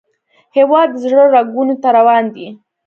هیواد د زړه رګونو ته روان دی